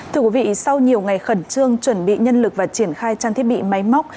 thưa quý vị sau nhiều ngày khẩn trương chuẩn bị nhân lực và triển khai trang thiết bị máy móc